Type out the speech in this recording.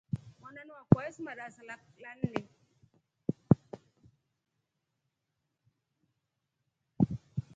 Mwananu akwa esoma darasa la nne.